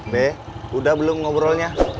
be udah belum ngobrolnya